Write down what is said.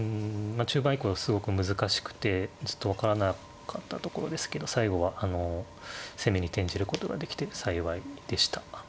あ中盤以降すごく難しくてずっと分からなかったところですけど最後はあの攻めに転じることができて幸いでした。